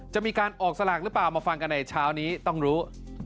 จะมีการออกสลากหรือเปล่ามาฟังกันในเช้านี้ต้องรู้